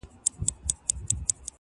ورور له کلي لرې تللی دی,